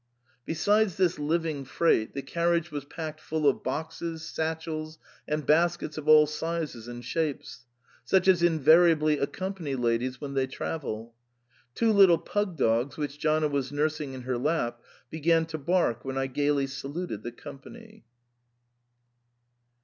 Besides this living freight, the carriage was packed full of boxes, satchels, and baskets of all sizes and shapes, such as invariably accompany ladies when they travel. Two little pug dogs which Gianna was nursing in her lap began to bark when I gaily saluted the company.